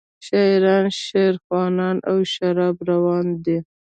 شاعران شعرخواندند او شراب روان شو.